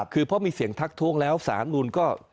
คือเพราะมีเสียงทักท้วงแล้วสารนุนก็